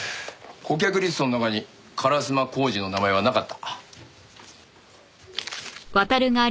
顧客リストの中に烏丸晃司の名前はなかった。